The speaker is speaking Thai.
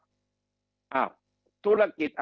คำอภิปรายของสอสอพักเก้าไกลคนหนึ่ง